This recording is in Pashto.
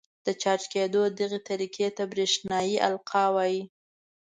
د چارج کېدو دغې طریقې ته برېښنايي القاء وايي.